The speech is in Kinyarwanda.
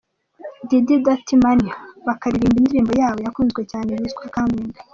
Diddy-Dirty Money bakaririmba indirimbo yabo yakunzwe cyane yitwa "Coming.